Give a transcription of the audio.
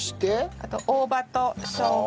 あと大葉としょうがと。